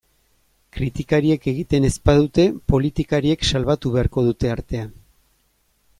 Kritikariek egiten ez badute, politikariek salbatu beharko dute artea.